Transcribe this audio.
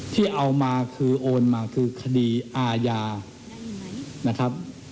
ที่เอามาคือโอนมาคือคดีอาญา